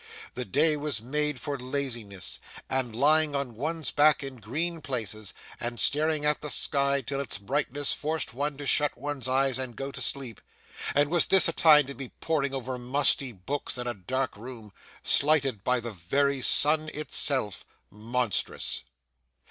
The day was made for laziness, and lying on one's back in green places, and staring at the sky till its brightness forced one to shut one's eyes and go to sleep; and was this a time to be poring over musty books in a dark room, slighted by the very sun itself? Monstrous!